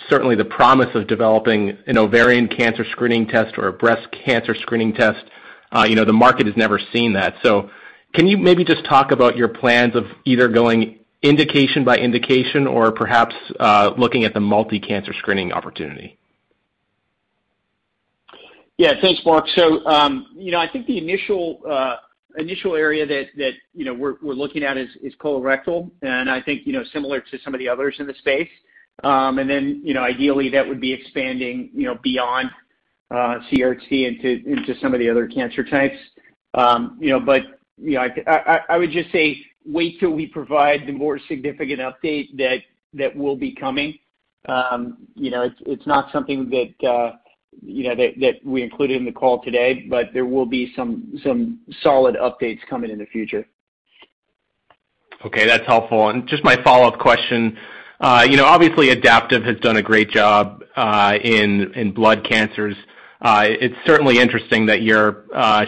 certainly the promise of developing an ovarian cancer screening test or a breast cancer screening test, the market has never seen that. Can you maybe just talk about your plans of either going indication by indication or perhaps looking at the multi-cancer screening opportunity? Yeah. Thanks, Mark. I think the initial area that we're looking at is colorectal, and I think similar to some of the others in the space. Ideally, that would be expanding beyond CRC into some of the other cancer types. I would just say wait till we provide the more significant update that will be coming. It's not something that we included in the call today, but there will be some solid updates coming in the future. Okay, that's helpful. Just my follow-up question. Obviously Adaptive has done a great job in blood cancers. It's certainly interesting that you're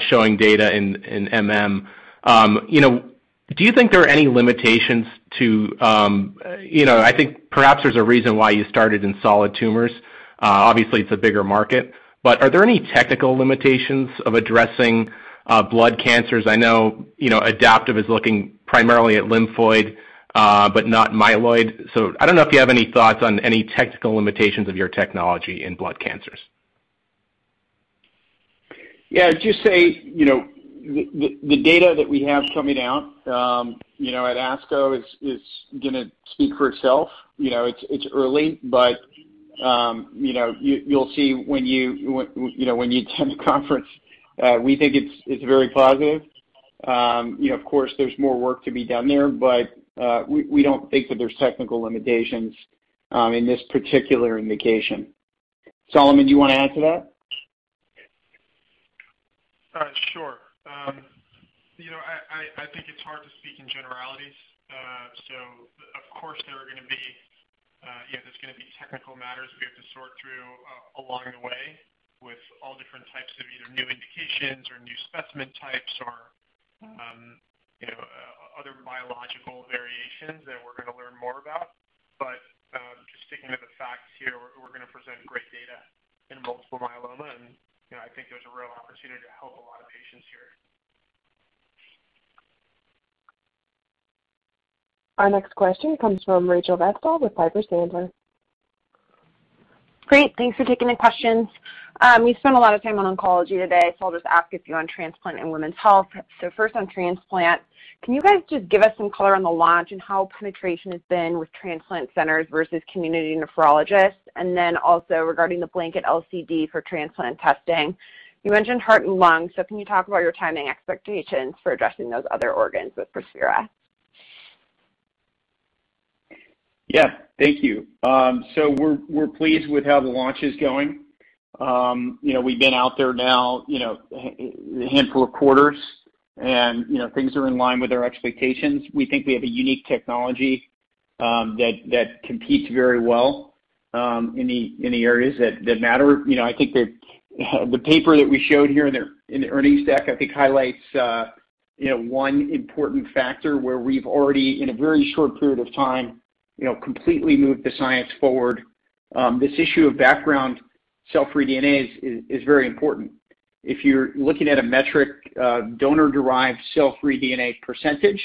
showing data in MM. Do you think there are any limitations to I think perhaps there's a reason why you started in solid tumors. Obviously, it's a bigger market, but are there any technical limitations of addressing blood cancers? I know Adaptive is looking primarily at lymphoid, but not myeloid. I don't know if you have any thoughts on any technical limitations of your technology in blood cancers. Yeah, I'd just say, the data that we have coming out at ASCO is going to speak for itself. It's early, but you'll see when you attend the conference. We think it's very positive. Of course, there's more work to be done there, but we don't think that there's technical limitations in this particular indication. Solomon, do you want to add to that? Sure. I think it's hard to speak in generalities. Of course, there's going to be technical matters we have to sort through along the way with all different types of either new indications or new specimen types or other biological variations that we're going to learn more about. Just sticking to the facts here, we're going to present great data in multiple myeloma, and I think there's a real opportunity to help a lot of patients here. Our next question comes from Rachel Vatnsdal with Piper Sandler. Great. Thanks for taking the questions. We spent a lot of time on oncology today, so I'll just ask a few on transplant and women's health. First on transplant, can you guys just give us some color on the launch and how penetration has been with transplant centers versus community nephrologists? Also regarding the blanket LCD for transplant testing. You mentioned heart and lung, so can you talk about your timing expectations for addressing those other organs with Prospera? Yeah. Thank you. We're pleased with how the launch is going. We've been out there now a handful of quarters, and things are in line with our expectations. We think we have a unique technology that competes very well in the areas that matter. I think that the paper that we showed here in the earnings deck, I think highlights one important factor where we've already, in a very short period of time, completely moved the science forward. This issue of background cell-free DNA is very important. If you're looking at a metric donor-derived cell-free DNA percentage,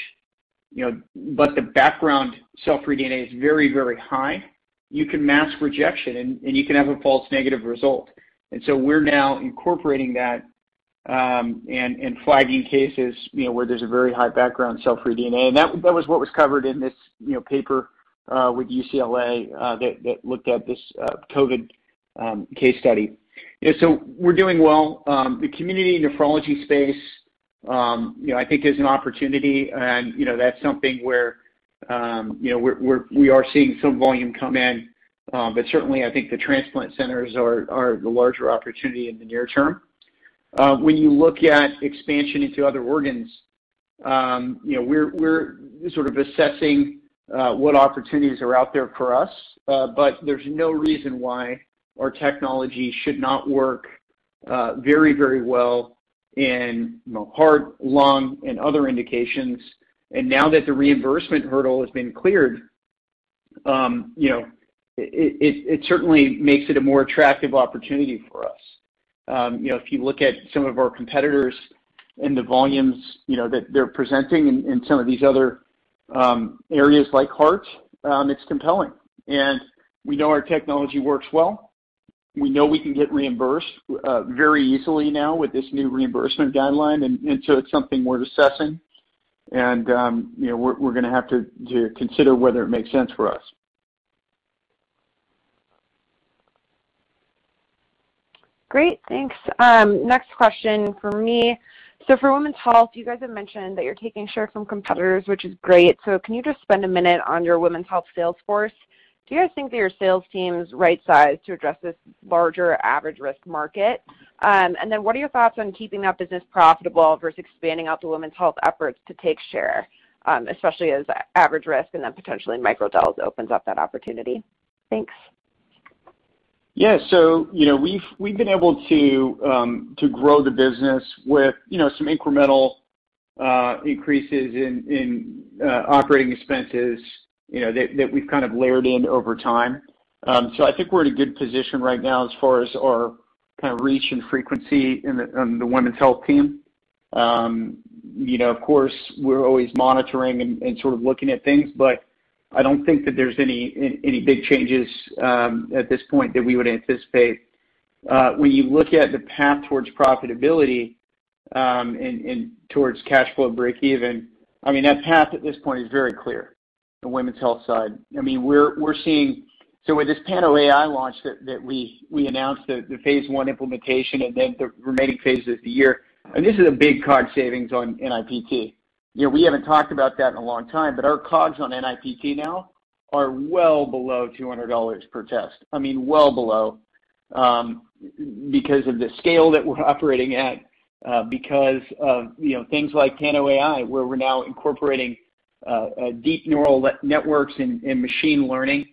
but the background cell-free DNA is very, very high, you can mask rejection and you can have a false negative result. We're now incorporating that and flagging cases where there's a very high background cell-free DNA. That was what was covered in this paper with UCLA that looked at this COVID case study. We're doing well. The community nephrology space I think is an opportunity, and that's something where we are seeing some volume come in. Certainly, I think the transplant centers are the larger opportunity in the near term. When you look at expansion into other organs, we're sort of assessing what opportunities are out there for us. There's no reason why our technology should not work very, very well in heart, lung, and other indications. Now that the reimbursement hurdle has been cleared, it certainly makes it a more attractive opportunity for us. If you look at some of our competitors and the volumes that they're presenting in some of these other areas like heart, it's compelling. We know our technology works well. We know we can get reimbursed very easily now with this new reimbursement guideline. It's something we're assessing and we're going to have to consider whether it makes sense for us. Great. Thanks. Next question from me. For women's health, you guys have mentioned that you're taking share from competitors, which is great. Can you just spend a minute on your women's health sales force? Do you guys think that your sales team is right-sized to address this larger average risk market? What are your thoughts on keeping that business profitable versus expanding out the women's health efforts to take share, especially as average risk and then potentially microDELs opens up that opportunity? Thanks. Yeah. We've been able to grow the business with some incremental increases in operating expenses that we've kind of layered in over time. I think we're in a good position right now as far as our reach and frequency on the women's health team. Of course, we're always monitoring and sort of looking at things. I don't think that there's any big changes at this point that we would anticipate. When you look at the path towards profitability and towards cash flow breakeven, that path at this point is very clear on the women's health side. With this Panorama AI launch that we announced the phase I implementation and then the remaining phases of the year, and this is a big COGS savings on NIPT. We haven't talked about that in a long time. Our COGS on NIPT now are well below $200 per test. I mean, well below, because of the scale that we're operating at, because of things like Panorama AI, where we're now incorporating deep neural networks and machine learning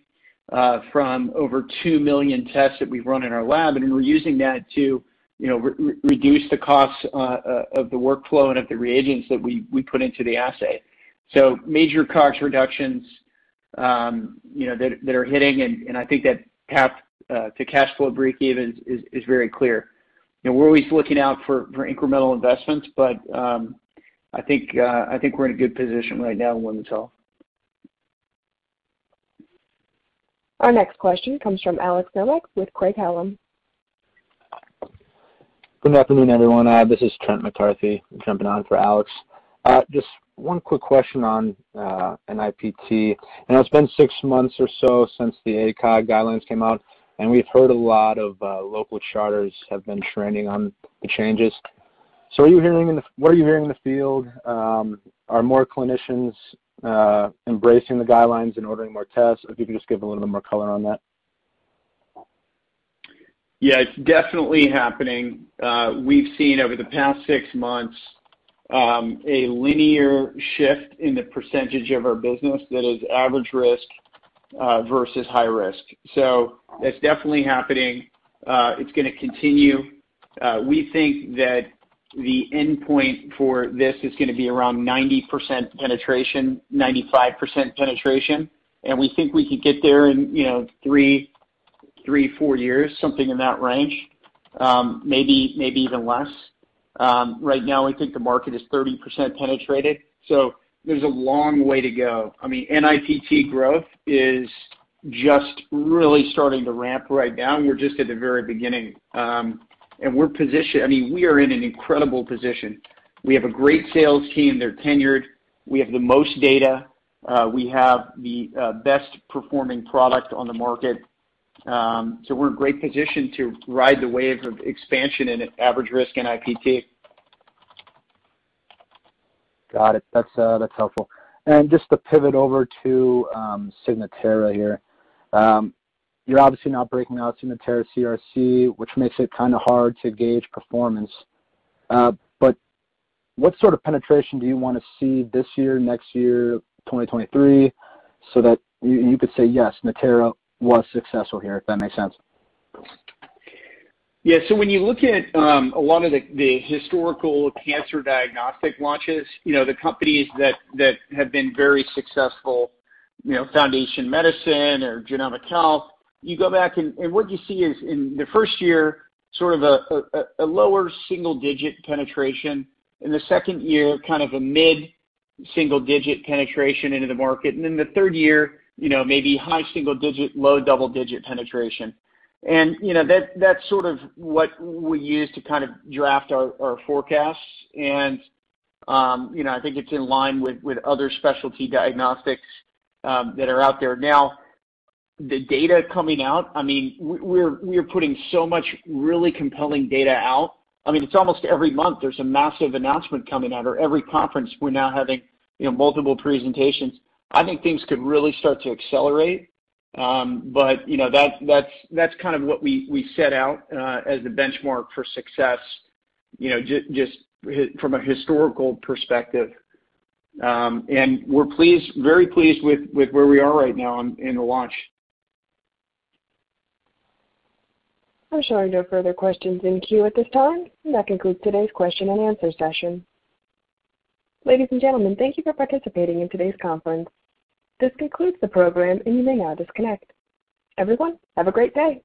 from over 2 million tests that we've run in our lab, and we're using that to reduce the costs of the workflow and of the reagents that we put into the assay. Major cost reductions that are hitting, and I think that path to cash flow breakeven is very clear. We're always looking out for incremental investments, I think we're in a good position right now when to tell. Our next question comes from Alex Nowak with Craig-Hallum. Good afternoon, everyone. This is Trent McCarthy. I'm jumping on for Alex. Just one quick question on NIPT. I know it's been six months or so since the ACOG guidelines came out, and we've heard a lot of local charters have been training on the changes. What are you hearing in the field? Are more clinicians embracing the guidelines and ordering more tests? If you could just give a little bit more color on that. Yeah, it's definitely happening. We've seen over the past six months, a linear shift in the percentage of our business that is average risk versus high risk. That's definitely happening. It's going to continue. We think that the endpoint for this is going to be around 90% penetration, 95% penetration, and we think we could get there in three, four years, something in that range. Maybe even less. Right now, we think the market is 30% penetrated. There's a long way to go. I mean, NIPT growth is just really starting to ramp right now, and we're just at the very beginning. We are in an incredible position. We have a great sales team. They're tenured. We have the most data. We have the best-performing product on the market. We're in great position to ride the wave of expansion in average risk NIPT. Got it. That's helpful. Just to pivot over to Signatera here. You're obviously not breaking out Signatera CRC, which makes it kind of hard to gauge performance. What sort of penetration do you want to see this year, next year, 2023, so that you could say, "Yes, Natera was successful here," if that makes sense? Yeah. When you look at a lot of the historical cancer diagnostic launches, the companies that have been very successful, Foundation Medicine or Genomic Health, you go back and what you see is in the first year, sort of a lower single-digit penetration. In the second year, kind of a mid-single-digit penetration into the market. In the third year, maybe high single-digit, low double-digit penetration. That's sort of what we use to kind of draft our forecasts, and I think it's in line with other specialty diagnostics that are out there now. The data coming out, we're putting so much really compelling data out. It's almost every month there's a massive announcement coming out, or every conference we're now having multiple presentations. I think things could really start to accelerate. That's kind of what we set out as the benchmark for success just from a historical perspective. We're very pleased with where we are right now in the launch. I'm showing no further questions in queue at this time, and that concludes today's question and answer session. Ladies and gentlemen, thank you for participating in today's conference. This concludes the program, and you may now disconnect. Everyone, have a great day.